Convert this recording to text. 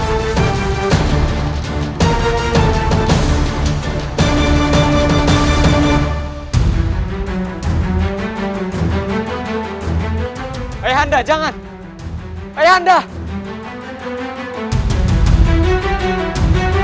bagaimana mungkin aku dapat dikalahkan dengan pendekar gila itu aku raja pajajaran tidak boleh ada satu orang yang bisa menangkapku